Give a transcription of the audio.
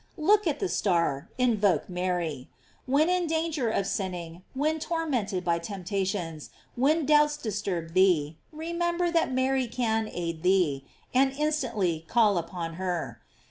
Look at the star, in voke Mary. When in danger of sinning, when tormented by temptations, when doubts disturb thee, remember that Mary can aid thee, and in stantly call upon her.